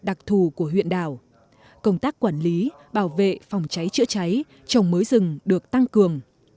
đặc thù của huyện đảo công tác quản lý bảo vệ phòng cháy chữa cháy trồng mới rừng được tăng cường